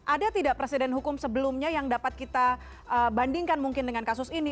ada tidak presiden hukum sebelumnya yang dapat kita bandingkan mungkin dengan kasus ini